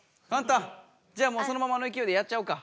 じゃあもうそのままのいきおいでやっちゃおうか。